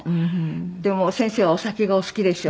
でも先生はお酒がお好きでしょ？